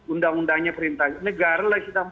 undang undangnya perintah negara lah kita perang kok